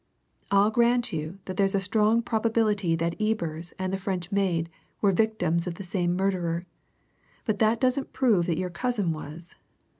I'll grant you that there's a strong probability that Ebers and the French maid were victims of the same murderer; but that doesn't prove that your cousin was.